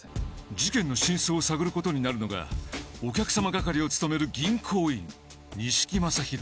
事件の真相を探る事になるのがお客様係を務める銀行員西木雅博。